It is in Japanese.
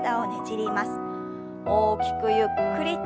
大きくゆっくりと。